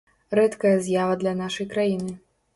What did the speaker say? Рэдкая з'ява для нашай краіны.